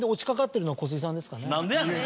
何でやねん！